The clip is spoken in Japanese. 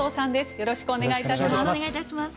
よろしくお願いします。